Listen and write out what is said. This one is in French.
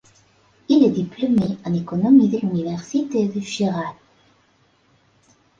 Il est diplômé en économie de l'Université de Chiraz.